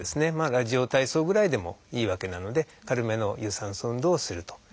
ラジオ体操ぐらいでもいいわけなので軽めの有酸素運動をすると。